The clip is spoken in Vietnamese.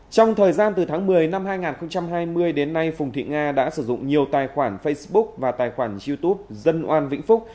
trong thời gian từ tháng một mươi năm hai nghìn hai mươi đến nay phùng thị nga đã sử dụng nhiều tài khoản facebook và tài khoản youtube dân oan vĩnh phúc